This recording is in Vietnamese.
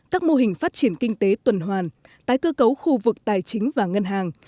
các mô hình phát triển kinh tế tuần hoàn tái cơ cấu khu vực tài chính và ngân hàng